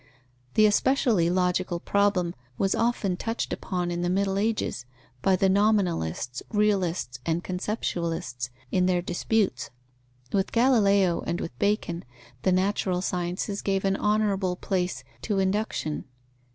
The especially logical problem was often touched upon in the Middle Ages, by the nominalists, realists, and conceptualists, in their disputes. With Galileo and with Bacon, the natural sciences gave an honourable place to induction.